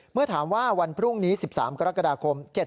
เมื่อถามว่าวันพรุ่งนี้๑๓กรกฎาคม